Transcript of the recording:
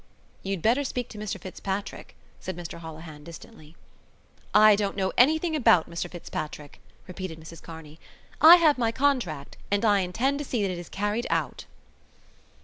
"You'd better speak to Mr Fitzpatrick," said Mr Holohan distantly. "I don't know anything about Mr Fitzpatrick," repeated Mrs Kearney. "I have my contract, and I intend to see that it is carried out."